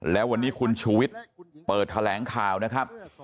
แล้ววันนี้คุณชูวิทย์เปิดแถลงข่าวนะครับ